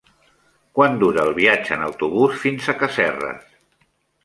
Quant dura el viatge en autobús fins a Casserres?